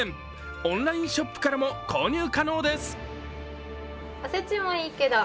オンラインショップからも購入可能です。